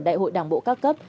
đại hội đảng bộ các cấp